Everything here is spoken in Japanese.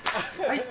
はい。